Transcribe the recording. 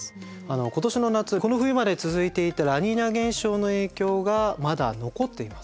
今年の夏この冬まで続いていたラニーニャ現象の影響がまだ残っています。